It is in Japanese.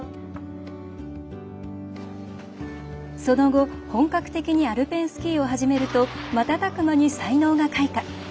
その後、本格的にアルペンスキーを始めると瞬く間に才能が開花。